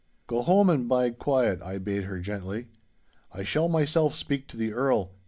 'Go home and bide quiet,' I bade her, gently. 'I shall myself speak to the Earl.